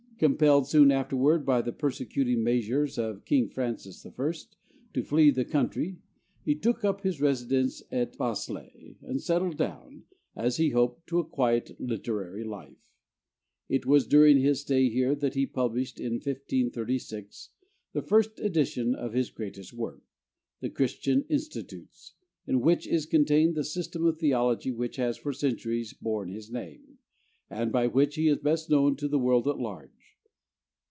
Compelled soon afterward by the persecuting measures of King Francis I. to flee the country, he took up his residence at Basle and settled down, as he hoped, to a quiet literary life. It was during his stay here that he published in 1536 the first edition of his greatest work, 'The Christian Institutes,' in which is contained the system of theology which has for centuries borne his name, and by which he is best known to the world at large.